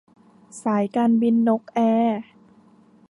สายการบินนกแอร์